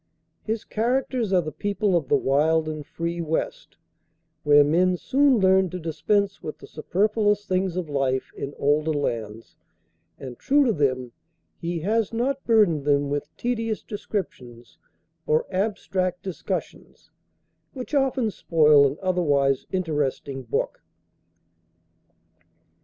His characters are the people of the wild and free West, where men soon learn to dispense with the superfluous things of life in older lands; and true to them, he has not burdened them with tedious descriptions or abstract discussions, which often spoil an otherwise interesting book.